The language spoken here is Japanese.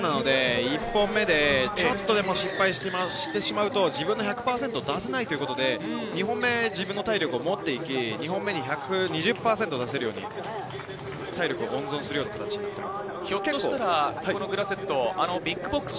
べストランなので１本目でちょっとでも失敗してしまうと、自分の１００％を出せないということで、２本目、自分の体力を持って行き、２本目に１２０％出せれように体力を温存する形になっています。